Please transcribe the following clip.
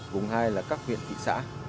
vùng hai là các huyện thị xã